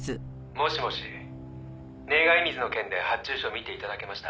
「もしもし」「願い水の件で発注書見て頂けました？」